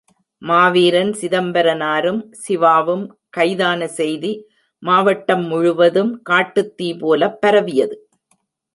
மாவீரன் சிதம்பரனாரும், சிவாவும் கைதான செய்தி மாவட்டம் முழுவதும் காட்டுத் தீ போலப் பரவியது.